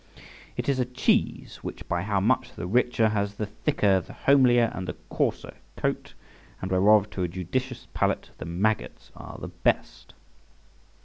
It is a cheese which, by how much the richer, has the thicker, the homelier, and the coarser coat, and whereof to a judicious palate the maggots are the best.